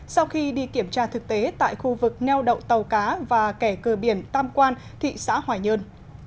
sau khi đi kiểm tra thực tế tại khu vực neo đậu tàu cá và kẻ cờ biển tam quan thị xã hoài nhơn